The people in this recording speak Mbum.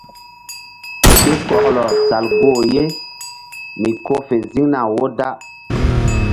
Ke kɔklɔ sal goh ye mi ko fe ziŋna wo da.